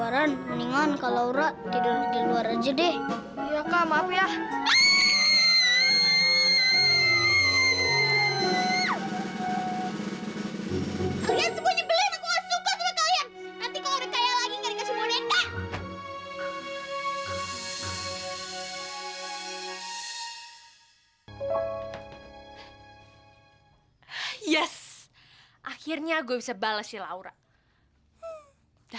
aku mah mau aku mau dimakan aku masih muda